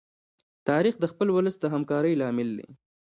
تاریخ د خپل ولس د همکارۍ لامل دی.